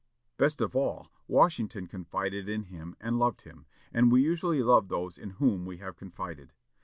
Best of all, Washington confided in him, and loved him, and we usually love those in whom we have confided.